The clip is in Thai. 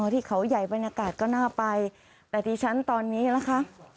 ที่เขาใหญ่บรรยากาศก็น่าไปแต่ดิฉันตอนนี้นะคะ